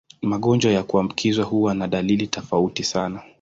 Magonjwa ya kuambukizwa huwa na dalili tofauti sana.